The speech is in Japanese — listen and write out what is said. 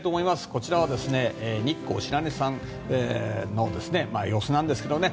こちらは、日光・白根山の様子なんですが。